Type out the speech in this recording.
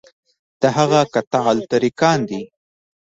دا هغه قطاع الطریقان دي.